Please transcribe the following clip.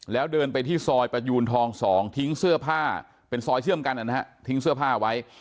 แล้วเดินไปที่ซอยประยูนทอง๒ทิ้งเสื้อผ้าเป็นซอยเชื่อมกันนะฮะทิ้งเสื้อผ้าไว้